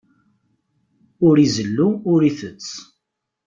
Ur izellu, ur itett.